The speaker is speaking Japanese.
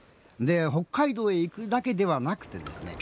北海道へ行くだけではなくてですね